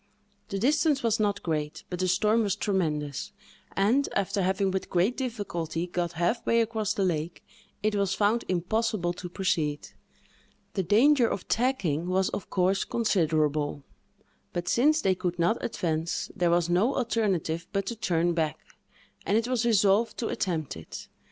The distance was not great, but the storm was tremendous; and, after having with great difficulty got half way across the lake, it was found impossible to proceed. The danger of tacking was, of course, considerable; but, since they could not advance, there was no alternative but to turn back, and it was resolved to attempt it.